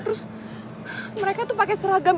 terus mereka tuh pakai seragam